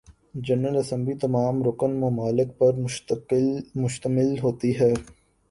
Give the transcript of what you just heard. general assembly تمام رکن ممالک پر مشتمل ہوتی ہے